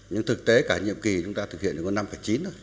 nhưng thực tế cả nhiệm kỳ chúng ta thực hiện là năm chín